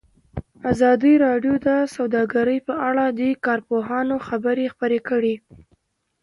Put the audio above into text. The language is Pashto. ازادي راډیو د سوداګري په اړه د کارپوهانو خبرې خپرې کړي.